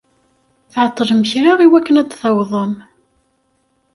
Tɛeṭṭlem kra i wakken ad d-tawḍem.